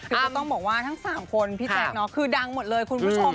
คือก็ต้องบอกว่าทั้ง๓คนพี่แจ๊คเนาะคือดังหมดเลยคุณผู้ชม